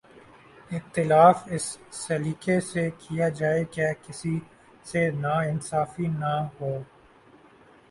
اختلاف اس سلیقے سے کیا جائے کہ کسی سے ناانصافی نہ ہو